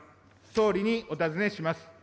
総理にお尋ねします。